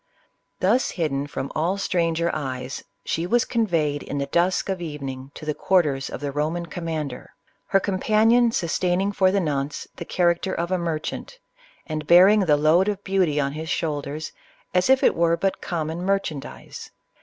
Thus hidden from all stranger eyes, she was con veyed in the dusk of evening to the quarters of the Roman commander; her companion sustaining, for the nonce, the character of a merchant, and bearing the load of beauty on his shoulders as if it were but common merchandize.